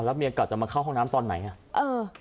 อ่ะแล้วเมียเก่าจะมาเข้าห้องน้ำตอนไหนอ่ะเออ